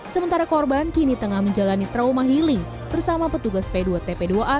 sementara korban kini tengah menjalani trauma healing bersama petugas p dua tp dua a